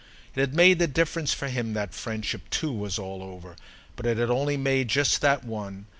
It had made the difference for him that friendship too was all over, but it had only made just that one.